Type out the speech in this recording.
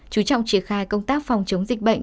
chú trọng triển khai công tác phòng chống dịch bệnh